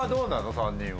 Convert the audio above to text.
３人は。